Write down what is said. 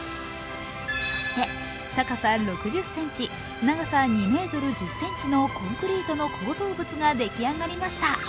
そして高さ６０ｃｍ、長さ２ｍ１０ｃｍのコンクリートの構造物が出来上がりました。